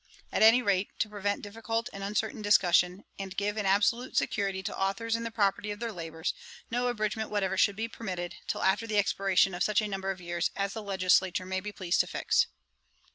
At any rate, to prevent difficult and uncertain discussion, and give an absolute security to authours in the property of their labours, no abridgement whatever should be permitted, till after the expiration of such a number of years as the Legislature may be pleased to fix.